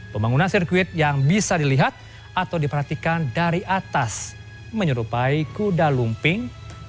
pembangunan sirkuit yang bisa dilihat atau diperhatikan dari atas menyerupai kuda lumping